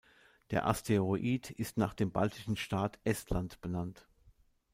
Der Asteroid ist nach dem baltischen Staat Estland benannt.